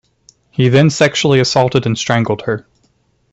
He then sexually assaulted and strangled her.